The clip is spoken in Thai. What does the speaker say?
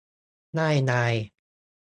ง่ายดาย